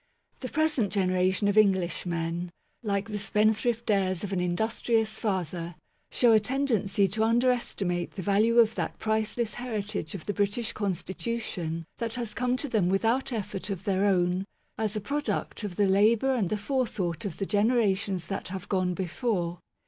The present generation of English men, like the spendthrift heirs of an industrious father, show a tendency to underestimate the value of that priceless heritage of the British Constitution that has come to them without effort of their own, as a product of the labour and the forethought of the generations that have gone before.